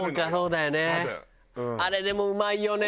あれでもうまいよね。